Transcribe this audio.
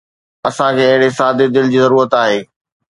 اسان کي اهڙي سادي دل جي ضرورت آهي